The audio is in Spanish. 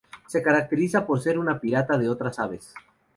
Se caracteriza por ser una pirata de otras aves.